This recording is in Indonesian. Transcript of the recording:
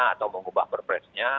atau mengubah perpresnya